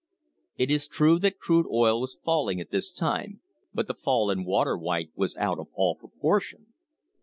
It is true that crude oil was fall ing at this time, but the fall in water white was out of all proportion.